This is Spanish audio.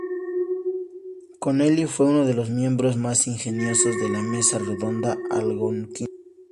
Connelly fue uno de los miembros más ingeniosos de la Mesa Redonda Algonquina.